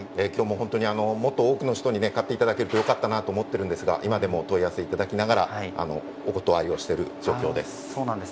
今日も、もっと多くの人に買っていただけてよかったなと思っているんですが今でも問い合わせいただきながらお断りをしている状況です。